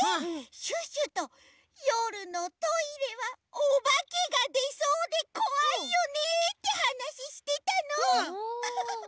シュッシュとよるのトイレはおばけがでそうでこわいよねってはなししてたの！